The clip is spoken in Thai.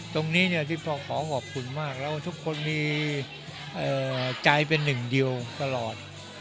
ตรงนี้ที่พ่อขอขอบคุณมากแล้วทุกคนมีใจเป็นหนึ่งเดียวตลอด